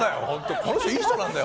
この人、いい人なんですよ。